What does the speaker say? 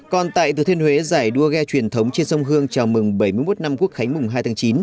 còn tại thừa thiên huế giải đua ghe truyền thống trên sông hương chào mừng bảy mươi một năm quốc khánh mùng hai tháng chín